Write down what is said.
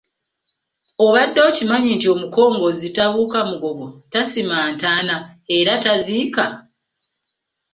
Obadde okimanyi nti omukongozzi tabuuka mugogo, tasima ntaana era taziika?.